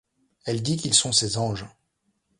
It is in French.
Elle dit qu'ils sont ses anges.